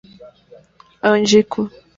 Angico